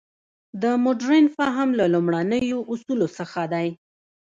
د مډرن فهم له لومړنیو اصولو څخه دی.